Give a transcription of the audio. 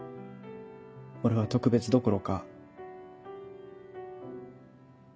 俺は特別どころか。